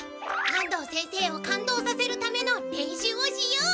安藤先生を感動させるための練習をしよう！